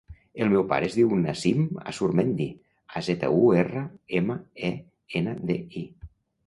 El meu pare es diu Nassim Azurmendi: a, zeta, u, erra, ema, e, ena, de, i.